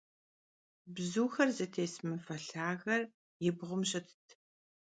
Bzuxer zıtês mıve lhager yi bğum şıtt.